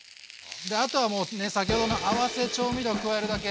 あとはもう先ほどの合わせ調味料加えるだけ。